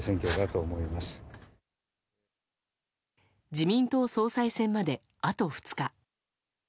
自民党総裁選まで、あと２日。